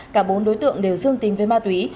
cả bốn đối tượng đều dương tính với ma túy